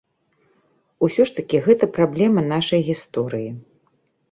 Усё ж такі гэта праблема нашай гісторыі.